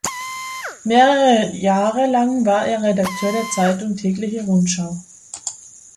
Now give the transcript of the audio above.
Mehrere Jahre lang war er Redakteur der Zeitung "Tägliche Rundschau".